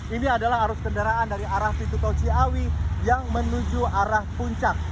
ini adalah arus kendaraan dari arah vitu tauciawi yang menuju arah puncak